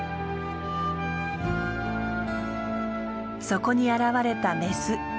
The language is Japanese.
そこに現れたメス。